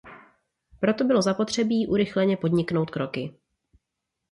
Proto bylo zapotřebí urychleně podniknout kroky.